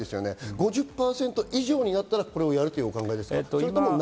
５０％以上になったら、これをやるということですか？